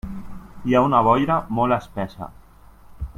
Hi ha una boira molt espessa.